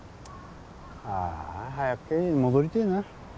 あぁあ早く刑事に戻りてぇな。